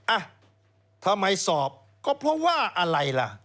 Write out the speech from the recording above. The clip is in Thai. อ่ะทำไมสอบก็เพราะว่าอะไรล่ะ